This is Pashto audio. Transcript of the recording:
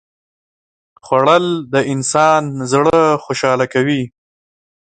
خوړل د انسان زړه خوشاله کوي